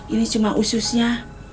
ini cuma ususnya